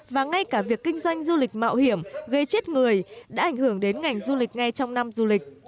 và ngay cả việc kinh doanh du lịch mạo hiểm gây chết người đã ảnh hưởng đến ngành du lịch ngay trong năm du lịch